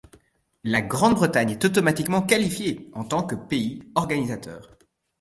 La Grande-Bretagne est automatiquement qualifiée en tant que pays organisateur.